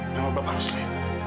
ini bapak rusli